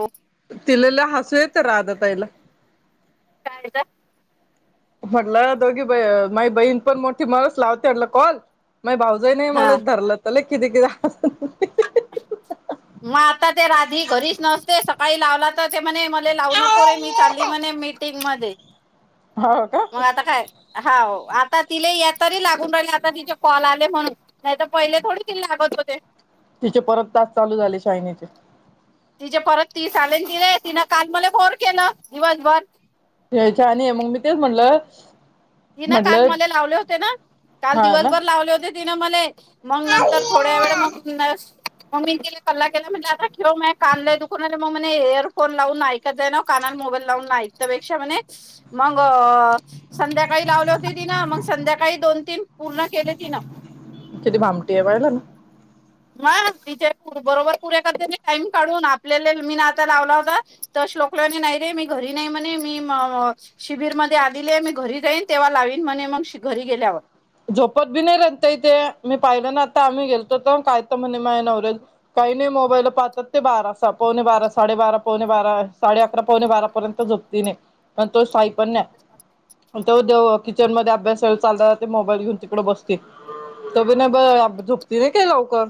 हो. तिलेला हसू येत राध तईला. कायदा. म्हटलं दोघी माई बहीण पण मोठी मणस लावते म्हटलं कॉल. मग भाऊजई नाही मला धरलं त किती कि. [unintelligible] मग आता ते राधी घरीच नसते सकाळी लावला तर ते म्हणे मला लावू नको रे मी चालली म्हणे मीटिंग मध्ये हाव का मग आता का हाव आता तिला या तरी लागून राहिले आता तिचे कॉल आले म्हणून नाहीत पहिले थोडे तिला लागत होते चे परत तास चालू झाले शाहिनीचे तिचेे परत तीस आले तिले तिन काल मला फोन केलं दिवसभर हेय छान आहे मग मी तेच म्हटलं तिनं काल म्हटलं मला लावले होते ना काल हा ना. दिवसभर लावले होते तिनं मला मग नंतर थोड्या वेळ मग मग मी तिला सल्ला केला म्हटलं आता ठेव माय कान लईय दुखून आले मग् म्हणे एयरफोन लावून ऐकत जा ना काना मोबाईल लावून एईक त्यापैक्षा म्हणे मग--सध्या काही लावले होते तिन मग संध्याकाळी दोन तीन पूर्ण केले तिनं किती भामटी आहे पाहिलं ना म तिच्या बरोबर पुऱे करता टाईम काढून आपल्याला मी आता लावला होता तर लोक नाही रे मी घरी नाही म्हणें मी शिबीर मध्ये आलेली मी घरी जाईन तेव्हा लावी म्हणें मग श घरी गेल्यावर झोपत बी नाही रता इथे मी पाहिलं ना आता आम्ही गेलतोत काय तर म्हणे मा नवरे मोबाईल पाहतात ते बारा पवणे बारा साडेबारा काय पवणे बारा साडे अकरा पावणे बारा पर्यत झोपती नाही तो साई पण नाही त दे किचन मध्ये अभ्यास चालता चाल घेऊन तिकडे बसती त बी नाही ब झोपती नाही का लवकर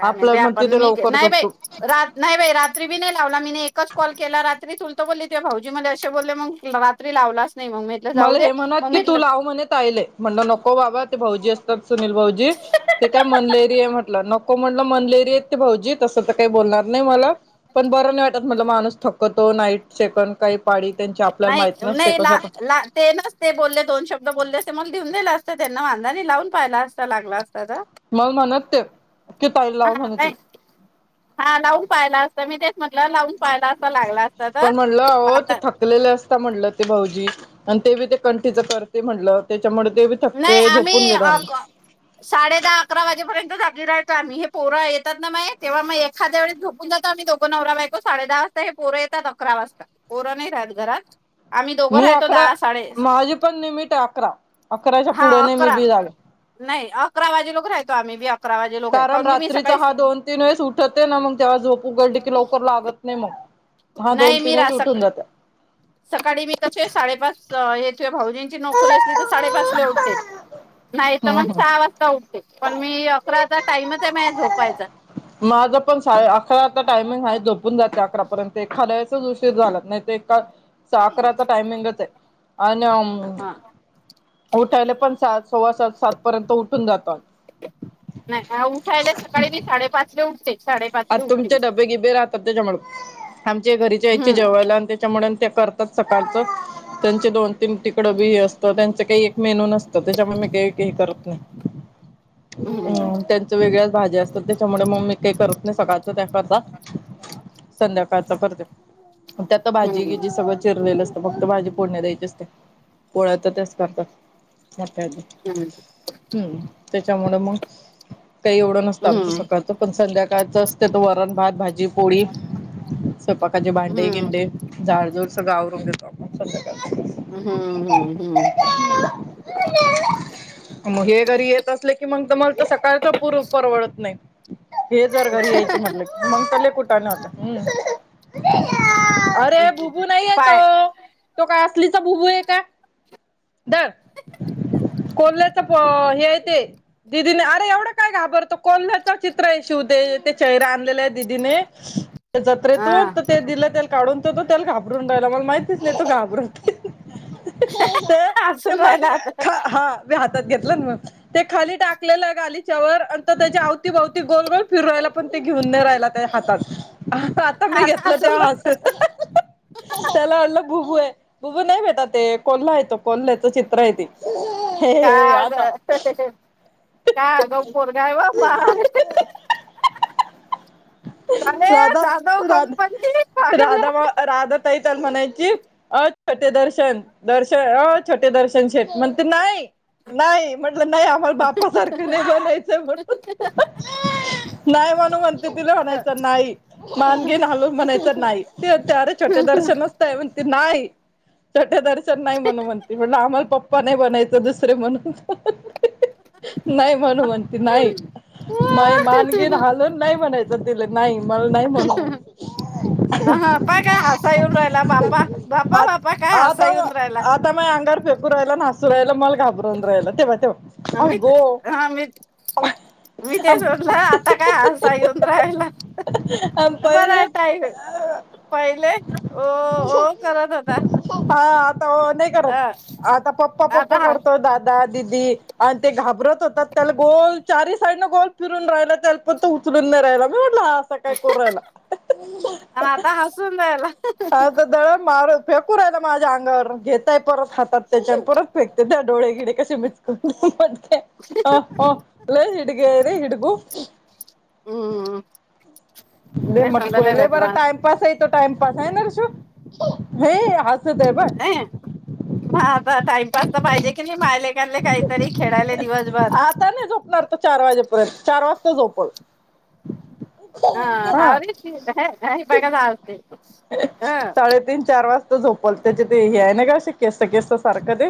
काय नाही आपल्याला म्हणते आपण ते मी लवकर नाही बाई झोपतो नाही बाई रात्री बी नाही लावला मी एकच कॉल केला रात्रीत बोलली ते भाऊजी मला असे बोलले मग रात्री लावला चं नाही मग म्हटलं जाऊ मला दे हे म्हणत मग की तू म्हटलं लाव म्हणे ताईला म्हणलो नको बाबा ते भाऊजी असतात सुनील भाऊजी ते काय मनलेरिया म्हट नको म्हटलं मनलेरी येत ते भाऊजी तसं तर काही बोलणार नाही मला पण बर नाही वाटत म्हट माणूस थकू थकतो नाईट सेकंड काही पाळी त्यांची आपल्याला नाही माहित नसते नाही ला कशा पा ला ते नच ते बोलले दोन शब्द बोलले असते मग लऊन दिले असते त्यांना वांधाणी लावून पाहियला असं लागला अस [inaudible] मग म्हणत ते की ताईला हा लाव म्हणे नाही तू हा लाऊन पायला असता तर मी तेच म्हटलं लावून पाहायला असं लागला असत तर पण अहो वाां ते थकलेले असता म्हणलं ते भाऊजी आणि ते ते कंठीच करते म्हणलं त्याच्यामुळे ते बी नाही थकते झोपून आम्ही घेता अ साडे दहा अकरा वाजेपर्यंत जागी राह म्ही हे पोरं येतात ना माय तेव्हा मग एखाद्या वळेस झोपून जातो आम्ही दोघं नवरा बायको साडे दहा वाजता हे पोरं येतात अकरा वाजता पोर नाही राहत घरात आम्ही दोघं मी राहतो अकरा दहा साडे माझी पण लिमिट आहे अकरा अकराच्या हा पुढे नाही मी अकरा बी जागे नाही अकरा वाजे लोक राहतो आम्ही बी अक कारण रात्रीचा हा दोन तीन वेळेस उठत आहे ना मग तेव्हा झोप उघडली की लवकर लागत नाही मग हा दोन नाही तीन मी रा वेळेस सक उठून जातात! सकाळी मी कस साडेपाच भाऊजींची नोकरी असली तर साडे पाच जेवणे नाही तर हम्म मग हम्म सहा वाजता उठते पण मी अकरा चा टाइमच आहे मा झोपायचा माझं पण सा अकराचा टायमिंग आहे झोपून जाते अकरापर्यंत एखाद्याच उशीर झालात नाही ते अकराचा टाईमीगंच आहे आणि हा उठायला पण सात सव्वा सात सात पर्यंत उठून जातो आम्ही नाही उठायला सकाळी मी साडेपाच ला उठते आ साडेपाचले उठते मी. तुमचे डबे गिबे राहतात त्याच्यामु आमच्या घरीच्या यायचे हम्म जेवयला आणि त्याच्यामुळ ते करतात सकाळच त्यांचे दोन तीन तिकड बी हे असतं त्यांच काही एक मेनू नसतं त्याच्यामुळे मी काही काही करत नाही हम्म हम् त्यांच वेगळ्याच भाज्या असतात त्याच्यामुळे मग मी काही करत सकाळच त्याकरता संध्याकाळचा करते मग त्यात भाजी हम्म गिजी सगळं चिरलेलं अस फक्त भाजी फोडणी द्यायची असते पोळ्या तर त्याच करतात मोठ्या येतात हम्म त्याच्यामुळं मग काही एवढं नसतं आमचं हम्म सकाळचं पण संध्याकाळचं असतं तर वरण भात भाजी पोळी स्वयपाकाचे भांडे हम्म गिंडे झाडजूड सगळं आवरून देतो आपण संध्याकाळचं हम्म हम्म हम्म मग हे घरी येत असले की मंग तर मला तर सकाळचं पूर्ण परवडत नाही हे जर घरी यायचे म्हटलं तर मंग तर लई कुठाळणार हम्म्म अरे भुभू नाहीये तो पाय तो काय असलीचा भुभू आहे का धर कोल्ह्याचं अं हे आहे ते दिदीने अरे एवढं काय घाबरतो कोल्ह्याचं चित्र आहे शोधे दे ‌ते त्याचे रान त्याला दिदीने त्या हा जत्रेतून तर ते दिलं त्याला काढून तर तो त्याला घाबरून राहिला मंग माहि नाही तो घाबरत आहे हसून राहिला मध्ये आता हा हा मी हातात घेते मग ते खाली टाकलेलं गालीच्या वर आणि तो त्याच्या अवतीभवती गोलगोल फिरू राहिला पण ते घेऊन नाही राहिला त्याया हातात आता मी घेतलं ते हसून राहिला हासत त्याला वाटलं भुबू आहे भुबू नाही बेटा ते कोल्हा आहे तो कोल्ह्याचं चित्र आहे ते हे का आता गं काय आगाव पोरगं‌ हाय व माय राधा राधा कंपनी पागल राधा म राधा ताई च्या म्हणायची छोटे शेठ दर्शन दर्शन ओ छोटे दर्शन शेेठ म्हणते नाही नाही म्हटलं नाही आम्हाला बाप सारखं नाही बोलायचं मग नाही म्हणू म्हणते तिला आहे. म्हणायचं नाही मान घिन हलवून म्हणायचं नाही ते विचारे छोटे दर्शन असतंय म्हणतेत नाही छोटे दर्शन नाही म्हणू म्हणते म्हटलं आम्हाला पप्पा नाही बनायचं दुसरे म्हणून नाही म्हणू म्हणती नाही माय मान गीन हा हालवून नाही म्हणायचं तिले नाही मला नाही म्हणू पाय काय हसा येऊन राहिला बापा बापा आ बापा काय हसा आता येऊन राहिला आता म अंगावर फेकू राहिला आणि हसू राहिला मला घाबरवून राहिला ते‌ बघ ते बघ अमित हा अमित मी ते आम- सोडलं आता काय आरसा घेऊन राहिला आम बरं पहिले ऐक पहिले ओ ओ करत होता हा आता ओ नाही करत अ आता पप्पा आता पप्पा हा करतो दादा दिदी आणि ते घाबरत होता त्याला गोल चारी साईडनं गोल फिरून राहिला त्याला पण तो उचलून नाही राहिला हा असा काय करु राहीला आणि आता हसून राहिला आता दळण मारत फेकू राहिला माझ्या अंगावर घेतय परत हातात त्याच्या आणि परत फेकते ते पाय डोळे गिडे कसे मिचकून ह हिडक र हिड हम् लय मटकू हाय लय बरं टाइमपास आहे तो टाइमपास हाय ना ऋषू हैं हसत आहे बघ मग आता टाइमपास तर पाहिजे कि नाही माय लेकानले काहीतरी खेळायला दिवस आता नाही झोपणार तो चार वाजेपर्यंत चार वाजता झोपल हा राहूदे साडे तीन चार चार वाजता झोपल त्याचे ते हे आहे ना गं अशे केसं केसं सारखं ते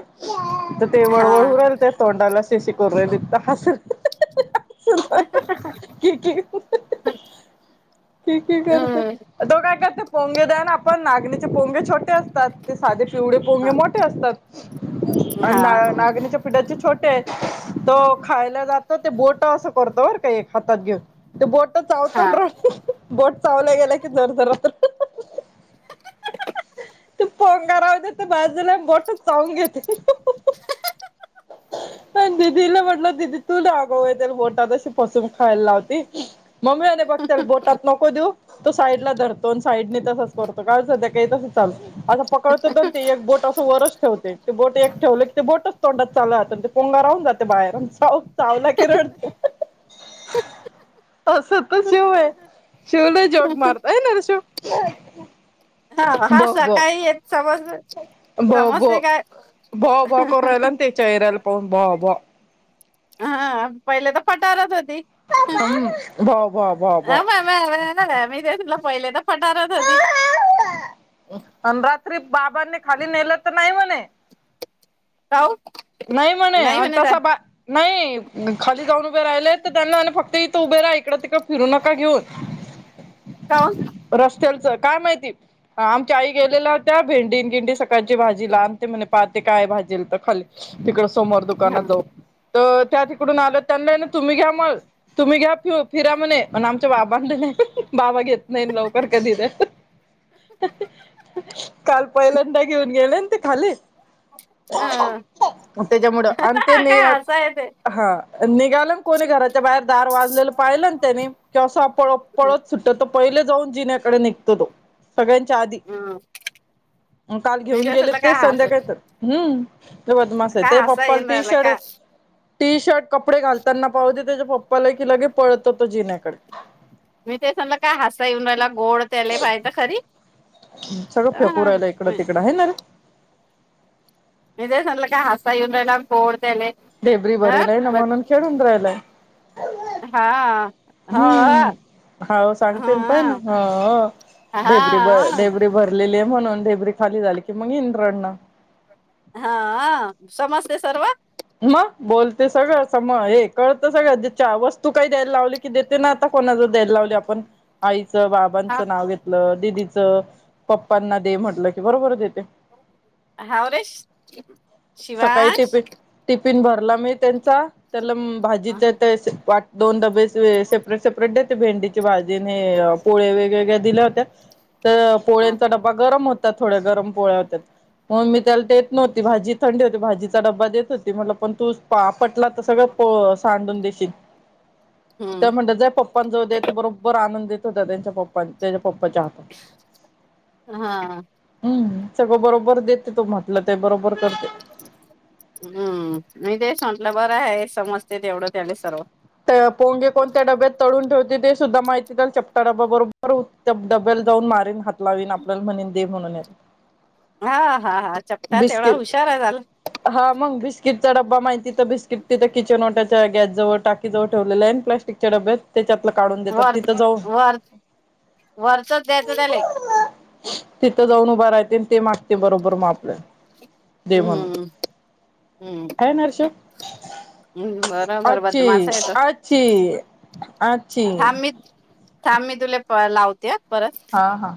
तर ते हा वळवळ होऊ राहिल तया तोंडाला शि शी करु राहिले तर हसत [unintelligible] खि खि खि खि करतय हम्म तो काय करते पोंगे द्या ना आपण नांगीनेचे पोंगे छोटे असतात ते साधे शिवडे पोंगे हा मोठे असतात आणि हा ना नागणीच्या पिठाचे छोटे तो खायला जातो ते बोट असं करतो बर का एक हातात घेऊन ते बोट हा चावत [unintelligible] बोट चावल्या गेला की जर जरा तर ते पोंगा राहूदे बाजूला बोट चाऊन घेते [unintelligible] पण दिदीला म्हटल दिदी तु दाखव त्याला बोटात बसून खायला लावती मम्मीने बघ त्या बोटात नको देऊ तो साईड ला धर दोन साईडने तसच करतो काय सध्या काही तस अस पकडत एक बोट असं वरच ठेवते ते बोट एक ठेवले क ते बोटच तोंडात चावलं जात पोंगार राहून जाते बाहेरून व चावला कि रडत तस त शिव हा आहे शिव ली जोग मारताय न हा हा बो बो सकाळी येत समज समजतय काय भो भो करून राहिला त्यांच्या [unintelligible] राहिला हा पहिले तर पटारच [inaudible] भो भो भो भो हा म [unintelligible] पहिले तर पठाराच होती अन रात्री बाबांनी खाली नेलं तर नाही म्हणे काऊ नाही म्हणे आणि तसा बा नाही खाली जाऊन उभे राहिले तर त्यांना फक्त इथं उभे राहा इकडं तिकडं फिरू नका घेऊन ह [inaudible] [unintelligible] चल चल काय माहिती आमच्या आई गेलेल्या होत्या भेंडी गिंडी सकाळची भाजी ला [unintelligible] काय भाजेल तर खाली तिकड सोमोार दुकानात जाऊ तर त्या तिकडून आलं त्यांना तुम्ही घ्या मग तुम्ही घ्या फि फिरा म्हणे आन आमच्या बाबांना नाय हं हं बाबा घेत नाही लवकर कधी तर काल पहिल्यांदा घेऊन गेले ते खाली हं येते [unintelligible] हा निघाला कोणी घराच्या बाहेर दार वाजलेलं पाहिलं त्यानी कि असं पळ पळत सुटतो पहिले जाऊन जिन्याकडे निघतो तो. सगळ्यांच्या आधी काल मी घेऊन गेलेत तुला काय ते हस संध्याकाय तर हम्म लय बदमाश आहे काय ते हसा पप्पा येऊन राहिला का टीशर्ट टीशर्ट कपडे घालताना पाहुन त्याच्या पप्पाला कि लगे पळत तो जिण्याकडे मी ते समलं काय हसा येन राला गोड त्याले पाहि तर खरी सगळं अ फेकुरायला इकडं तिकडं आहे ना रे [unintelligible] ढेबरी ह भरलय ना म्हणून खेळून राहिलाय हा हो हम्म खाऊन सांगतेन ह [unintelligible] ढेबरी हा ढेबरी भरलेली आहे म्हणून ढेबरी खाली झाली की मग रडणं हाहं समसे सर्व मग बोलते सगळं स मग हे कळतं सगळं ज्याच्या वस्तू काही द्यायला लावली की देते ना आता कोणा ज द्यायला लावली आपण आई हा बाबांचं नाव घेतलं दिदीचं पप्पांना दे म्हटलं की बरोबर देत हाव रेश सकाळी शिवांश टिफिन [unintelligible] मी त्यांचा तर लम भाजी हा चे ते पाठ दोन डबे से सेपरेट सेपरेट देते भेंडीची भाजी न हे पोळे वेगवेेगळ्या दिल्या होत्या तर पोळ्यांचा डबा गरम हो त्या थोड्या गरम पोळ्या होत्या मग मी त्याला देत नव्हती भाजी थंडी होती भाजीचा डबा देत हो त मला पण तू पा पटला तर सगळं पो सांडून देशील हम्म त्या म्हणतात ज पप्पां जव द्याेत बरोबर आनंदेत हो त्यांच्या पप्प त्यांच्या पप्पाच्या हातात हा हम्म सगळं बरोबर देत तो म्हटलं ते बरोबर करते हम्म मी तेश म्हटलं बरं आहे समजते तेवढं त्याले सर्व पोंगे कोणत्या डब्यात तळून ठेवते ते सुद्धा माहिती चपटा डब्या बरोबर डब्याला जाऊन मार हात लावीन आपल्या म्हण दे म्हणून हा हा हा चपटात एवढा बिस्किट हुशार आहे झाल किट ड्बा माहिती तर बिस्किट तिथ किचन वाट्याच्या गॅसजवळ टक ज ठेवलेला आहे प्लास्टिकच्या डब्यात त्याच्या आप काढून देतात वर तिथं जाऊन वर वरचच द्यायचं त्याले तिथं जाऊन उभं राहते आणि ते मागते बरोबर मापल्या दे म्हणून हम्म हम्म ह नर्ष अच्छ बरोबर बदमाश अचछ आहे तो अचछ थां मी तुले लावते परत हा हा